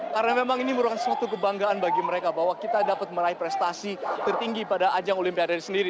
karena memang ini merupakan suatu kebanggaan bagi mereka bahwa kita dapat meraih prestasi tertinggi pada ajang olimpiade ini sendiri